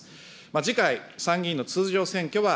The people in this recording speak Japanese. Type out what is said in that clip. じかい、参議院の通常選挙は。